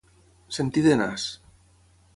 Sentir de nas.